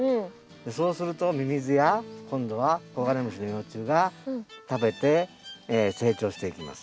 そうするとミミズや今度はコガネムシの幼虫が食べて成長していきます。